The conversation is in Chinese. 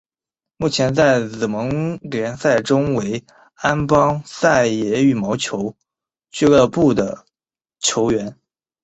目前在紫盟联赛中为安邦再也羽毛球俱乐部的球员。